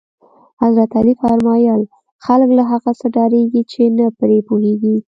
حضرت علی فرمایل: خلک له هغه څه ډارېږي چې نه پرې پوهېږي.